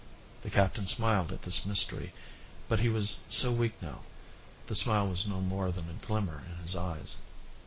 The captain smiled at this mystery, but he was so weak now, the smile was no more than a glimmer in his eyes.